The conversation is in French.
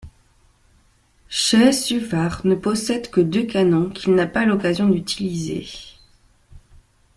Şehsuvar ne possède que deux canons qu’il n’a pas l’occasion d’utiliser.